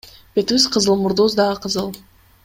Бетибиз кызыл, мурдубуз дагы кызыл.